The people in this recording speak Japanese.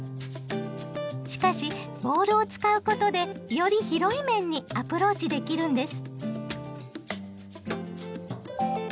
しかしボールを使うことでより広い面にアプローチできるんです！